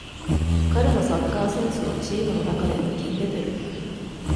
彼のサッカーセンスはチームの中で抜きんでてる